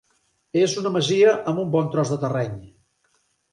És una masia amb un bon tros de terreny.